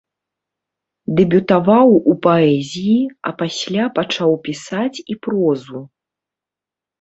Дэбютаваў у паэзіі, а пасля пачаў пісаць і прозу.